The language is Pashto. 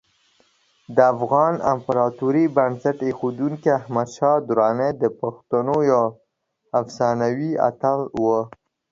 د افغان امپراتورۍ بنسټ ایښودونکی احمدشاه درانی د پښتنو یو افسانوي اتل و.